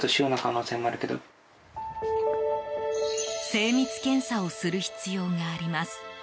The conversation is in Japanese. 精密検査をする必要があります。